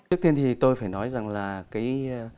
trước tiên thì tôi phải nói rằng là cái